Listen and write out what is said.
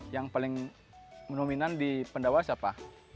yang paling menominan di pendawa siapa